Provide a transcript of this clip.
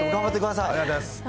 ありがとうございます。